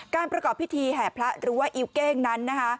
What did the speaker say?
ประกอบพิธีแห่พระหรือว่าอิวเก้งนั้นนะคะ